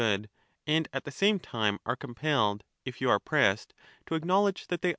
good, and at the same time are compelled, if you are pressed, to acknowledge that they are unlike.